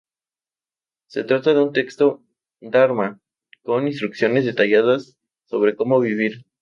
Se trata de un texto dharma, con instrucciones detalladas sobre cómo vivir.